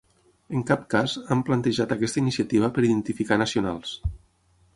En cap cas hem plantejat aquesta iniciativa per identificar nacionals.